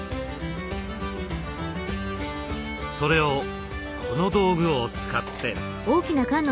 それをこの道具を使って。